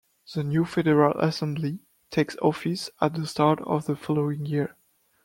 The new Federal Assembly takes office at the start of the following year.